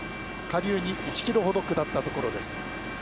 下流に１ｋｍほど下ったところです。